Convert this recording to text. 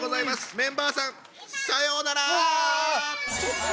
メンバーさんさようなら！